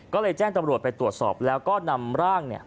ก็เลยแจ้งตำรวจไปตรวจสอบแล้วก็นำร่างเนี่ย